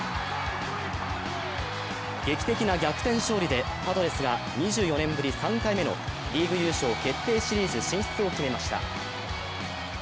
劇的な逆転勝利でパドレスが２４年ぶり３回目のリーグ優勝決定シリーズ進出を決めました。